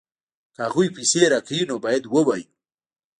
که هغوی پیسې راکوي نو باید ووایو